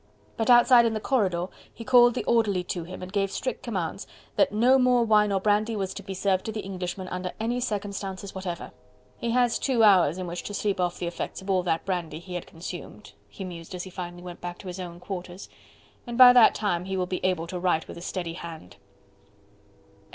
But outside in the corridor he called the orderly to him and gave strict commands that no more wine or brandy was to be served to the Englishman under any circumstances whatever. "He has two hours in which to sleep off the effects of all that brandy which he had consumed," he mused as he finally went back to his own quarters, "and by that time he will be able to write with a steady hand."